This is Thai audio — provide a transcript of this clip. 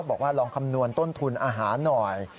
บอกว่าลองคำนวณต้นทุนอาหารหน่อย